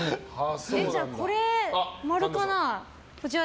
じゃあ、これ○かな。